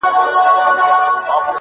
بم دی ټوپکوال ولاړ دي;